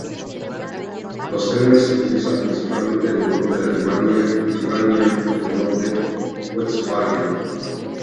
Los trenes se utilizan principalmente en el norte de Alemania y Renania del Norte-Westfalia.